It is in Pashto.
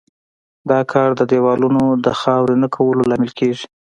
دا کار د دېوالونو د خاوره نه کولو لامل کیږي.